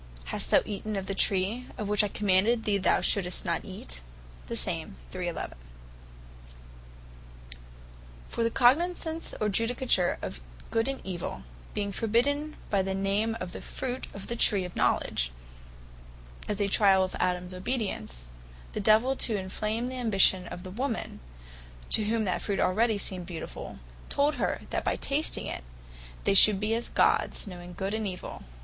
hast thou eaten of the tree, of which I commanded thee thou shouldest not eat?" For the Cognisance of Judicature of Good and Evill, being forbidden by the name of the fruit of the tree of Knowledge, as a triall of Adams obedience; The Divell to enflame the Ambition of the woman, to whom that fruit already seemed beautifull, told her that by tasting it, they should be as Gods, knowing Good and Evill.